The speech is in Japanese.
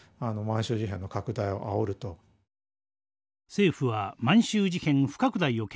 政府は満州事変不拡大を決定。